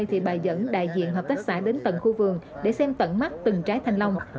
thì bà dẫn đại diện hợp tác xã đến tầng khu vườn để xem tận mắt từng trái thanh long